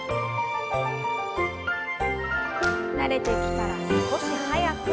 慣れてきたら少し速く。